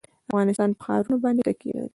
افغانستان په ښارونه باندې تکیه لري.